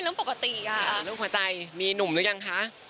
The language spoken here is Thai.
ลูกหัวใจมีหนุ่มหรือยังคะ